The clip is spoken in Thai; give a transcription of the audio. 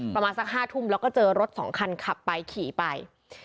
ประมาณสัก๕ทุ่มแล้วก็เจอรถ๒คันขับไปขี่ไป